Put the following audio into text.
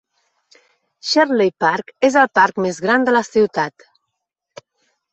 Sherdley Park és el parc més gran de la ciutat.